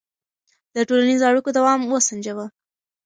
د ټولنیزو اړیکو دوام وسنجوه.